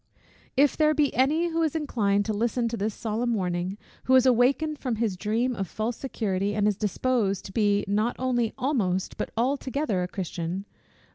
If there be any who is inclined to listen to this solemn warning, who is awakened from his dream of false security, and is disposed to be not only almost but altogether a Christian O!